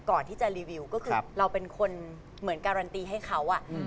ก่อนที่จะรีวิวก็คือเราเป็นคนเหมือนการันตีให้เขา